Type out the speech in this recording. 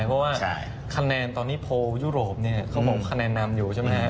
เพราะว่าคะแนนตอนนี้โพลยุโรปเนี่ยเขาบอกว่าคะแนนนำอยู่ใช่ไหมครับ